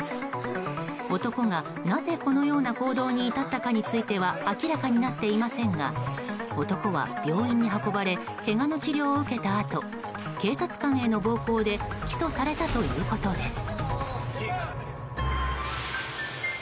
男がなぜ、このような行動に至ったかについては明らかになっていませんが男は病院に運ばれけがの治療を受けたあと警察官への暴行で起訴されたということです。